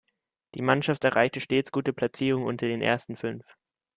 Die Mannschaft erreichte stets gute Platzierungen unter den ersten fünf.